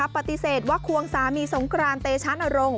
ปฏิเสธว่าควงสามีสงกรานเตชะนรงค